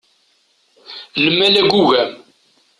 Lmal agugam!